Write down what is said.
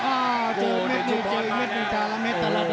อ้าวเจอเม็ดหนึ่งเจอเม็ดหนึ่งกาละเม็ด